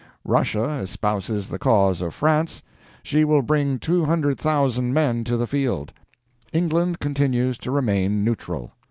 Russia espouses the cause of France. She will bring 200,000 men to the field. England continues to remain neutral.